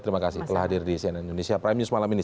terima kasih telah hadir di cnn indonesia prime news malam ini